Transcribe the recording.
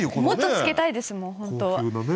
もっとつけたいですもん本当は。